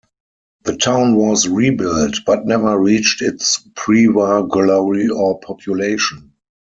The town was rebuilt, but never reached its prewar glory or population.